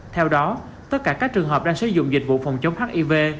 theo đó tất cả các trường hợp đang sử dụng dịch vụ phòng chống hiv